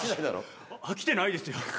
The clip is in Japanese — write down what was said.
飽きてないですよ。